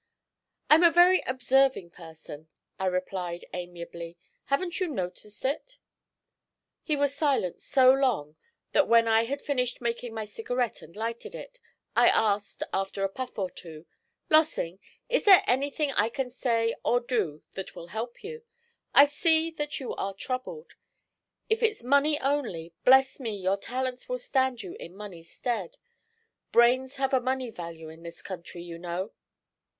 'I'm a very observing person,' I replied amiably; 'haven't you noticed it?' He was silent so long that, when I had finished making my cigarette and lighted it, I asked, after a puff or two: 'Lossing, is there anything I can say or do that will help you? I see that you are troubled. If it's money only, bless me, your talents will stand you in money's stead. Brains have a money value in this country, you know.'